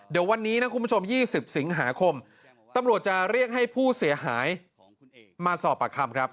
เดี๋ยววันนี้นะคุณผู้ชม๒๐สิงหาคมตำรวจจะเรียกให้ผู้เสียหายมาสอบปากคำครับ